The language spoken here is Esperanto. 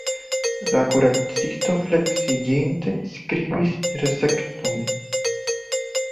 La kuracisto fleksiĝinte skribis recepton.